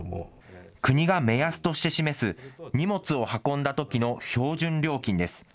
国が目安として示す荷物を運んだときの標準料金です。